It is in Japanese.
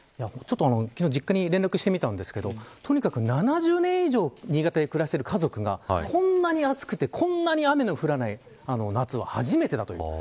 昨日、実家に連絡してみたんですけどとにかく７０年以上新潟で暮らしている家族がこんなに暑くて、こんなに雨の降らない夏は初めてだという。